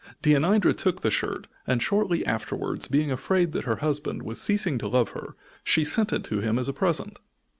Deianira took the shirt, and shortly afterwards, being afraid that her husband was ceasing to love her, she sent it to him as a present.